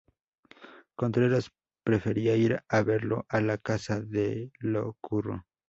Contreras prefería ir a verlo a la casa de Lo Curro.